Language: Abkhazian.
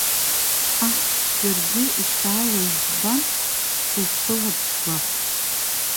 Ҟаҳ, џьаргьы, ушааиуаз збан, суԥылап сгәахәт!